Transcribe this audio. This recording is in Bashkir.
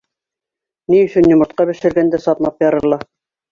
Ни өсөн йомортҡа бешергәндә сатнап ярыла?